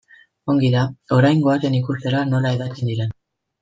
Ongi da, orain goazen ikustera nola hedatzen diren.